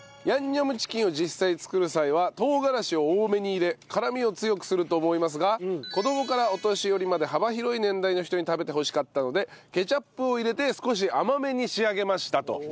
ヤンニョムチキンを実際に作る際は唐辛子を多めに入れ辛みを強くすると思いますが子供からお年寄りまで幅広い年代の人に食べてほしかったのでケチャップを入れて少し甘めに仕上げましたと。